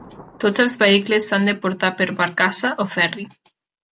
Tots els vehicles s'han de portar per barcassa o ferri.